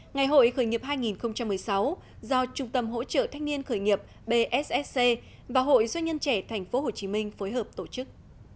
ngày hội khởi nghiệp hai nghìn một mươi sáu do trung tâm hỗ trợ thanh niên khởi nghiệp bssc và hội doanh nhân trẻ tp hcm phối hợp tổ chức